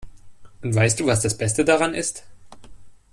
Und weißt du, was das Beste daran ist?